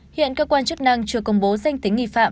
hiện cơ quan chức năng chưa công bố danh tính nghi phạm